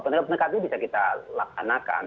pendekatan itu bisa kita lakan lakan